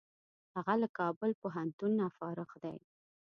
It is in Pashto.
هغه له کابل پوهنتونه فارغ دی.